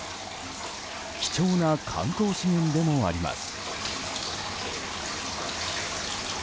貴重な観光資源でもあります。